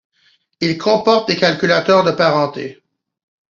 Il comporte des calculateurs de parenté.